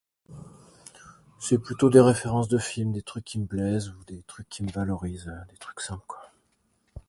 C'est plutôt des références de films, des trucs qui me plaisent, ou des trucs qui me valorisent, des trucs simples, quoi.